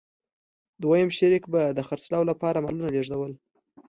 دویم شریک به د خرڅلاو لپاره مالونه لېږدول.